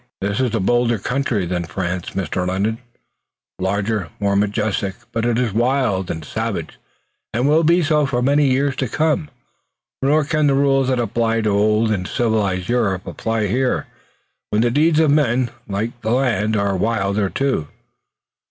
This is a bolder country than France, Mr. Lennox, larger, more majestic, but it is wild and savage, and will be so for many years to come. Nor can the rules that apply to old and civilized Europe apply here, where the deeds of men, like the land, are wilder, too."